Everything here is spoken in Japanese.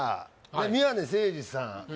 宮根誠司さん